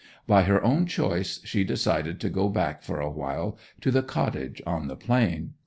By her own choice she decided to go back for a while to the cottage on the Plain.